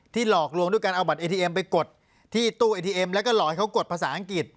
หลอกลวงด้วยการเอาบัตรเอทีเอ็มไปกดที่ตู้เอทีเอ็มแล้วก็หลอกให้เขากดภาษาอังกฤษ